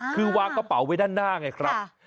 คือวางกระเป๋าไว้ด้านหน้าไงครับ